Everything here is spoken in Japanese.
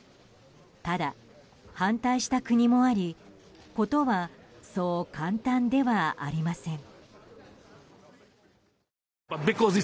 ただ、反対した国もあり事はそう簡単ではありません。